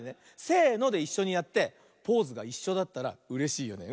せのでいっしょにやってポーズがいっしょだったらうれしいよね。